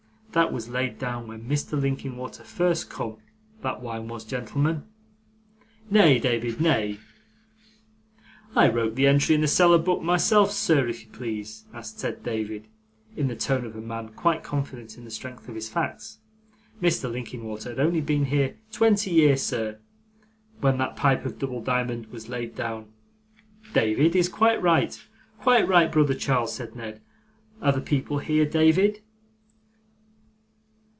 That was laid down when Mr. Linkinwater first come: that wine was, gentlemen.' 'Nay, David, nay,' interposed brother Charles. 'I wrote the entry in the cellar book myself, sir, if you please,' said David, in the tone of a man, quite confident in the strength of his facts. 'Mr. Linkinwater had only been here twenty year, sir, when that pipe of double diamond was laid down.' 'David is quite right, quite right, brother Charles,' said Ned: 'are the people here, David?